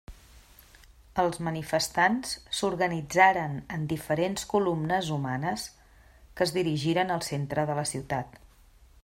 Els manifestants s'organitzaren en diferents columnes humanes que es dirigiren al centre de la ciutat.